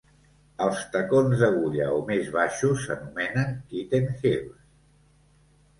Els tacons d'agulla o més baixos s'anomenen kitten heels.